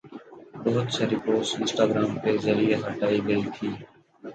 بہت ساری post Instagram کے ذریعہ ہٹائی گئی تھی